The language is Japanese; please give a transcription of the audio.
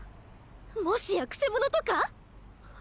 もしやクセ者とか？